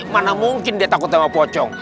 mana mungkin dia takut sama pocong